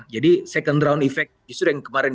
jadi second round effect justru yang kemarin